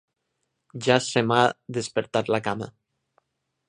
Ja se m'ha despertat la cama.